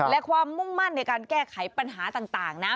และความมุ่งมั่นในการแก้ไขปัญหาต่างนะ